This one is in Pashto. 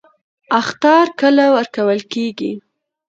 اخطار کله ورکول کیږي؟